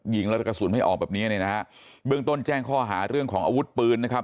ยิงแล้วแต่กระสุนไม่ออกแบบเนี้ยเนี่ยนะฮะเบื้องต้นแจ้งข้อหาเรื่องของอาวุธปืนนะครับ